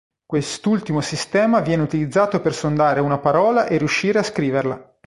Quest'ultimo sistema viene utilizzato per sondare una parola e riuscire a scriverla.